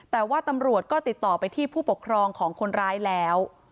แต่ว่าตำรวจก็ติดต่อไปที่ผู้ปกครองของคนร้ายแล้ว